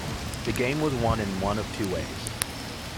The game was won in one of two ways.